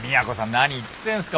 何言ってんすか。